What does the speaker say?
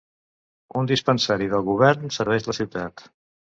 Un dispensari del govern serveix la ciutat.